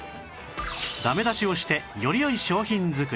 ダメ出しをしてより良い商品作り